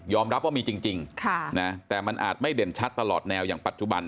รับว่ามีจริงแต่มันอาจไม่เด่นชัดตลอดแนวอย่างปัจจุบัน